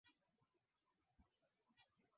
ashe alifariki kutokana na ugonjwa wa ukimwi